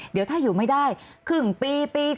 เดี๋ยวถ้าอยู่ไม่ได้ครึ่งปี